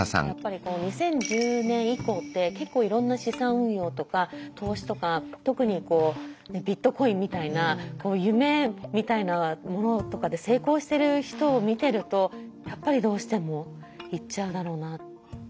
やっぱり２０１０年以降って結構いろんな資産運用とか投資とか特にビットコインみたいな夢みたいなものとかで成功してる人を見てるとやっぱりどうしてもいっちゃうだろうな。